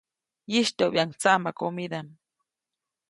ʼYistyoʼbyaʼuŋ tsaʼmakomidaʼm.